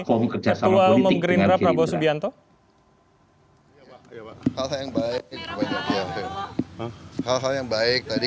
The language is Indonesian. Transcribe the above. oke baik mas burhan saya potong terlebih dahulu